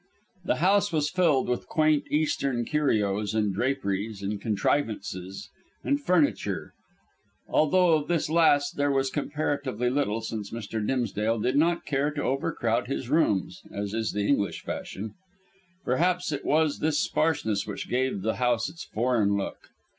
The house was filled with quaint Eastern curios, and draperies and contrivances and furniture, although of this last there was comparatively little, since Mr. Dimsdale did not care to overcrowd his rooms, as is the English fashion; perhaps it was this sparseness which gave the house its foreign look.